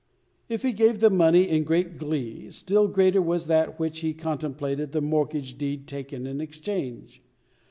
If he gave the money in great glee, still greater was that with which he contemplated the mortgage deed taken in exchange.